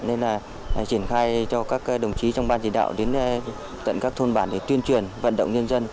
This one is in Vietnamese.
nên là triển khai cho các đồng chí trong ban chỉ đạo đến tận các thôn bản để tuyên truyền vận động nhân dân